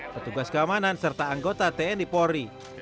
petugas keamanan serta anggota tni polri